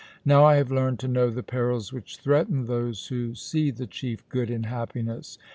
Now I have learned to know the perils which threaten those who see the chief good in happiness.